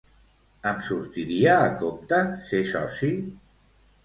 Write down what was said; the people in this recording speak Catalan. Em sortiria a compte ser soci?